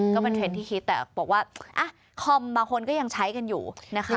ก็เป็นเทรนด์ที่คิดแต่บอกว่าคอมบางคนก็ยังใช้กันอยู่นะคะ